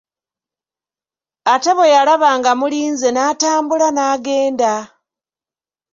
Ate bwe yalaba nga mulinze n'atambula n'agenda.